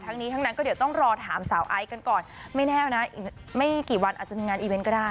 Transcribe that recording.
ทั้งนี้ทั้งนั้นก็เดี๋ยวต้องรอถามสาวไอซ์กันก่อนไม่แน่วนะอีกไม่กี่วันอาจจะมีงานอีเวนต์ก็ได้